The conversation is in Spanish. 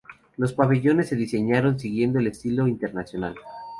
Los pabellones se diseñaron siguiendo el Estilo Internacional.